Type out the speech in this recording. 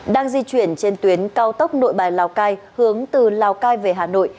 đang di chuyển trên tuyến cao tốc nội bài lào cai hướng từ lào cai về hà nội